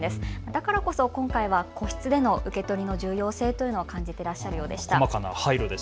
だからこそ今回は、個室での受け取りの重要性というのを感じていらっしゃるようでした。